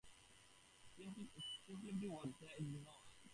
"Simplify" was the keyword.